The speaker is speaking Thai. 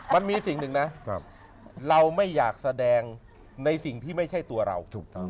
มันมีสิ่งหนึ่งนะเราไม่อยากแสดงในสิ่งที่ไม่ใช่ตัวเราถูกต้อง